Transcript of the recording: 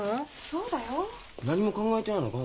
そうだよ。何も考えてないのか？